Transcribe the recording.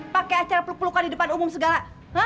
pakai acara peluk pelukan di depan umum segala